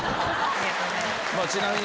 ちなみに。